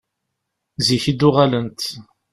Zik i d-uɣalent.